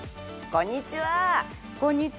こんにちは。